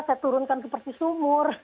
saya turunkan ke persis sumur